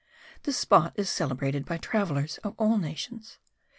This spot is celebrated by travellers of all nations.